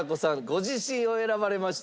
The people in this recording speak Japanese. ご自身を選ばれました。